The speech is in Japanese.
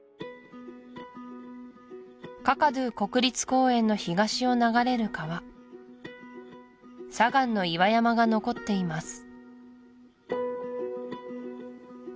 カカドゥ国立公園の東を流れる川砂岩の岩山が残っています